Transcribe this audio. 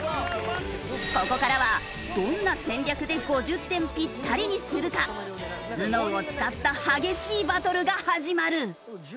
ここからはどんな戦略で５０点ぴったりにするか頭脳を使った激しいバトルが始まる。